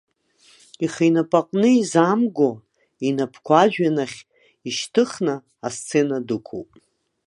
Ихы инапаҟны изаамго, инапқәа ажәҩан ахь ишьҭыхны, асцена дықәуп.